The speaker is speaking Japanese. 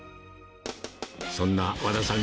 そんな和田さん